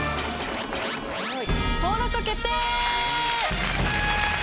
登録決定！